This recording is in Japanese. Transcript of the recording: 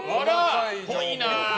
っぽいな。